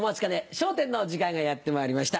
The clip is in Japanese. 『笑点』の時間がやってまいりました。